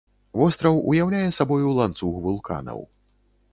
Востраў уяўляе сабою ланцуг вулканаў.